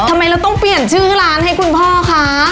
ทำไมเราต้องเปลี่ยนชื่อร้านให้คุณพ่อคะ